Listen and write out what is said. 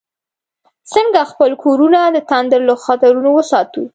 څنګه خپل کورونه د تندر له خطرونو وساتو؟